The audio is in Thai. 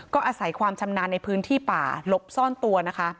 ก็อาศัยความชำนาญในพื้นที่ป่าหลบซ่อนตัวนะคะ